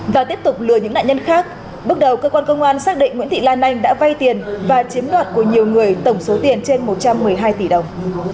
và tiếp tục lừa những nạn nhân khác bước đầu cơ quan công an xác định nguyễn thị lan anh đã vay tiền và chiếm đoạt của nhiều người tổng số tiền trên một trăm một mươi hai tỷ đồng